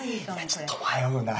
ちょっと迷うな。